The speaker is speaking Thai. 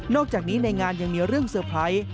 อกจากนี้ในงานยังมีเรื่องเซอร์ไพรส์